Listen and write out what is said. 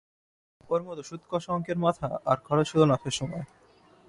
ওর মতো সুদকষা অঙ্কের মাথা আর কারও ছিল না সে সময়।